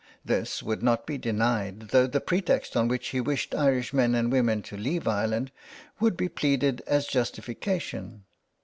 This would not be denied, though the pretext on which he wished Irish men and women to leave Ireland would bepleaded as justification.